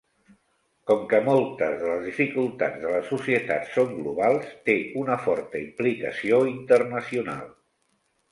Com que moltes de les dificultats de les societats són globals, té una forta implicació internacional.